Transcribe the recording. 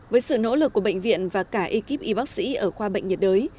với sự nỗ lực của bệnh viện và cả ekip y bác sĩ ở khoa bệnh nhiệt đới